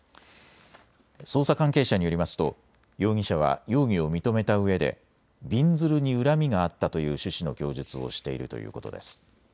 捜査関係者によりますと容疑者は容疑を認めたうえでびんずるに恨みがあったという趣旨の供述をしているということです。